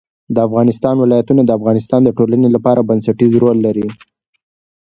د افغانستان ولايتونه د افغانستان د ټولنې لپاره بنسټيز رول لري.